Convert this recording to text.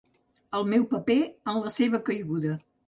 El meu paper en la seva caiguda.